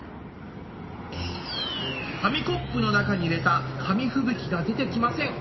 「紙コップの中に入れた紙ふぶきが出てきません。